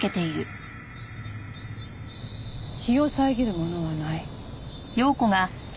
日を遮るものはない。